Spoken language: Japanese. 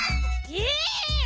え！